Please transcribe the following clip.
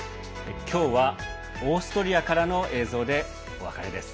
今日はオーストリアからの映像でお別れです。